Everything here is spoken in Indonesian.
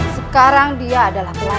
sekarang dia adalah pelayan